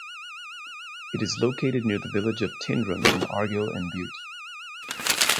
It is located near the village of Tyndrum in Argyll and Bute.